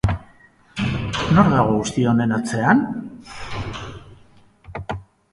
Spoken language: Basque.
Nor dago guzti honen atzean?